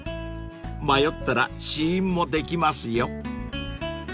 ［迷ったら試飲もできますよ］